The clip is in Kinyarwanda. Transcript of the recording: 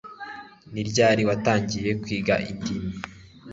Ni ryari watangiye kwiga indimi